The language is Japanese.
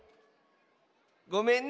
ごめんね